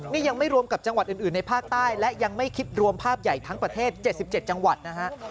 นี่ยังไม่รวมกับจังหวัดอื่นในภาคใต้และยังไม่คิดรวมภาพใหญ่ทั้งประเทศ๗๗จังหวัดนะฮะ